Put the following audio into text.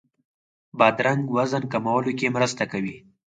بادرنګ وزن کمولو کې مرسته کوي.